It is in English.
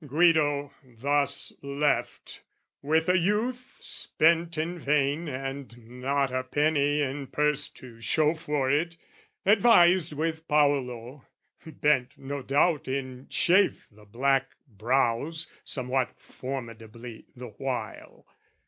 Guido thus left, with a youth spent in vain And not a penny in purse to show for it, Advised with Paolo, bent no doubt in chafe The black brows somewhat formidably the while.